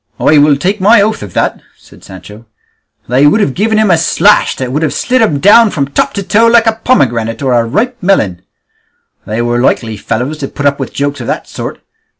"I will take my oath of that," said Sancho; "they would have given him a slash that would have slit him down from top to toe like a pomegranate or a ripe melon; they were likely fellows to put up with jokes of that sort!